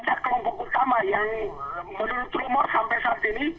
ada kelompok utama yang menurut rumor sampai saat ini